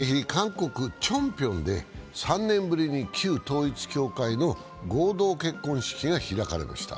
この日、韓国・チョンピョンで３年ぶりに旧統一教会の合同結婚式が開かれました。